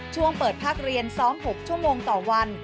ช่วงเปิดภาคเรียนซ้อม๖ชั่วโมงต่อวัน